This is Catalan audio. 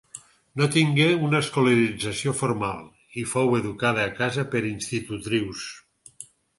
No tingué una escolarització formal i fou educada a casa per institutrius.